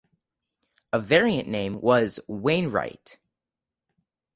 A variant name was "Wainwright".